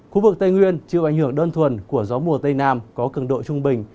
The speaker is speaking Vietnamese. khu vực tây nguyên chịu ảnh hưởng đơn thuần của gió mùa tây nam có cường độ trung bình